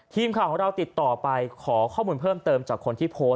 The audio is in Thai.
ทีมข่าวของเราติดต่อไปขอข้อมูลเพิ่มเติมจากคนที่โพสต์